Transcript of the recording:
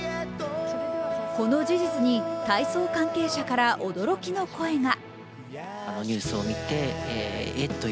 この事実に体操関係者から驚きの声が。